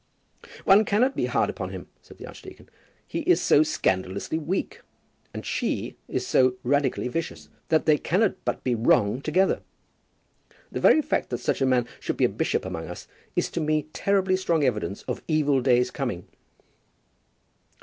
"One cannot be hard upon him," said the archdeacon. "He is so scandalously weak, and she is so radically vicious, that they cannot but be wrong together. The very fact that such a man should be a bishop among us is to me terribly strong evidence of evil days coming."